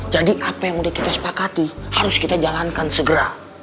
jadi apa yang udah kita sepakati harus kita jalankan segera